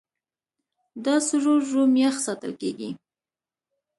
دا سرور روم یخ ساتل کېږي.